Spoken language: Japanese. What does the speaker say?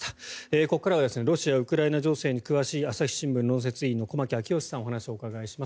ここからはロシア・ウクライナ情勢に詳しい朝日新聞論説委員の駒木明義さんにお話をお伺いします。